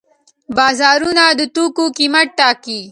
بازارونه د توکو قیمت ټاکي.